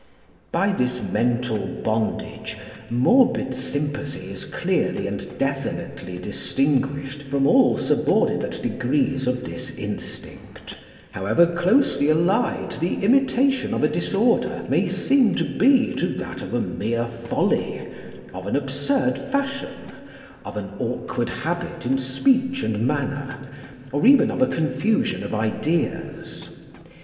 By this mental bondage morbid sympathy is clearly and definitely distinguished from all subordinate degrees of this instinct, however closely allied the imitation of a disorder may seem to be to that of a mere folly, of an absurd fashion, of an awkward habit in speech and manner, or even of a confusion of ideas.